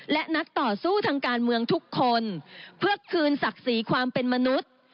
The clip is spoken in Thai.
และนักต่อสู้ทางการเมืองทุกคนเพื่อคืนศักดิ์ศรีความเป็นมนุษย์